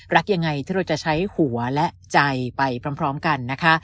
รักยังไงที่เราจะใช้หัวและใจไปพร้อมกันนะคะ